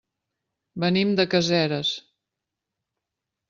Venim de Caseres.